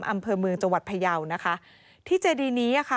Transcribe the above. อำเภอเมืองจังหวัดพยาวนะคะที่เจดีนี้อ่ะค่ะ